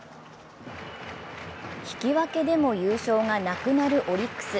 引き分けでも優勝がなくなるオリックス。